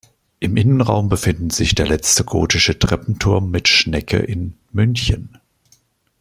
Im Innenraum befindet sich der letzte gotische Treppenturm mit Schnecke in München.